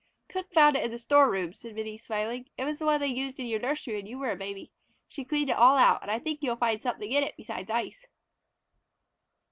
"Cook found it in the store room," said Minnie, smiling. "It was the one they used in your nursery when you were a baby. She cleaned it all out, and I think you will find something in it besides ice."